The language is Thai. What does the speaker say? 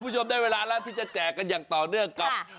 คุณผู้ชมได้เวลาแล้วที่จะแจกกันอย่างต่อเนื่องกับ